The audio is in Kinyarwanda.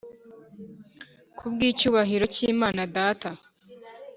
kubw icyubahiro cy Imana Data